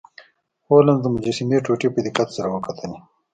هولمز د مجسمې ټوټې په دقت سره وکتلې.